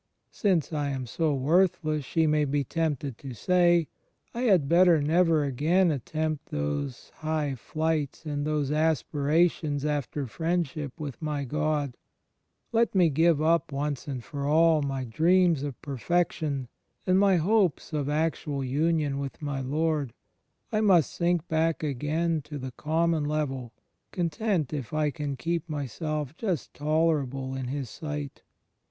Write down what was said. " Since I am so worthless,'* she may be tempted to say, "I had better never again attempt those high flights and those aspirations after friendship with my God. Let me give up, once and for all, my dreams of perfection, and my CHRIST IN THE INTERIOR SOUL 3 1 hopes of actual union with my Lord. I must sink back again to the common level, content if I can keep myself just tolerable in His sight.